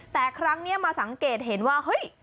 แต่ครั้งนี้มาสังเกตเห็นว่าเฮ้ย